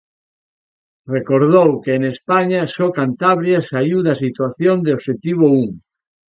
Recordou que en España só Cantabria saíu da situación de Obxectivo un.